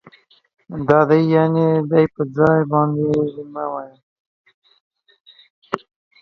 دا دی يعنې دے په ځای باندي دي مه وايئ